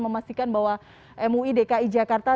memastikan bahwa mui dki jakarta